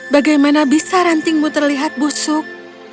bagaimana bisa rantingmu terlihat busuk